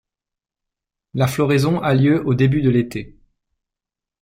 La floraison a lieu au début de l'été.